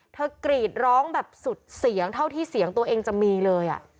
กรีดร้องแบบสุดเสียงเท่าที่เสียงตัวเองจะมีเลย